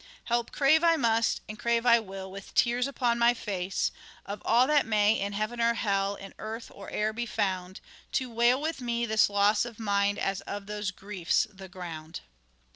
Help crave I must, and crave I will, with tears upon my face, Of all that may in heaven or hell, in earth or air be found, To wail with me this loss of mine, as of those griefs the ground."